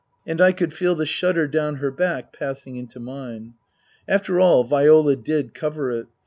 And I could feel the shudder down her back passing into mine. After all, Viola did cover it.